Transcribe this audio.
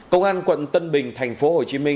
công an quận tân bình tp hcm